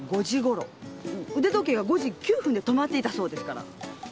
腕時計が５時９分で止まっていたそうですから。